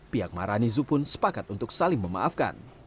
pihak maharani zulamongan pun sepakat untuk saling memaafkan